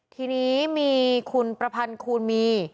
ทีนี้มีคุณประพันธ์คูณมี